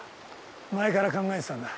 前から考えてたんだ。